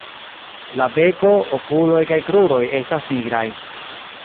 La beko, okuloj kaj kruroj estas nigraj.